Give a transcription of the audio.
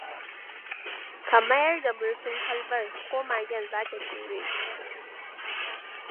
Ka mayar da murfin kwalbar, ko magen za ta ture shi.